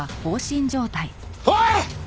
おい！！